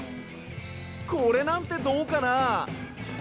これなんてどうかな？